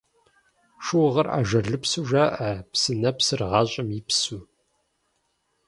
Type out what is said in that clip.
Шыугъэр ажалыпсу жаӀэ, псынэпсыр – гъащӀэм и псыу.